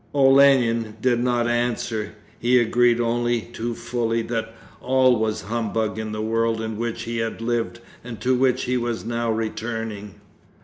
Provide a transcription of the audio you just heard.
Olenin did not answer. He agreed only too fully that all was humbug in the world in which he had lived and to which he was now returning.